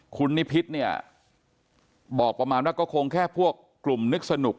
คุณนิพิษเนี่ยบอกประมาณว่าก็คงแค่พวกกลุ่มนึกสนุก